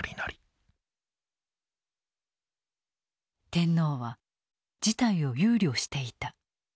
天皇は事態を憂慮していた。